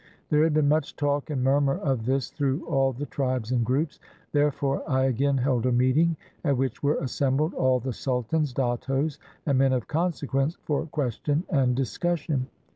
There had been much talk and murmur of this through all the tribes and groups. There fore I again held a meeting, at which were assembled all the sultans, dattos, and men of consequence, for question and discussion.